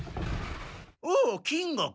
おお金吾か。